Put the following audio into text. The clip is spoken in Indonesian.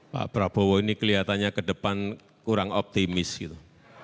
pak prabowo ini kelihatannya ke depan kurang optimis gitu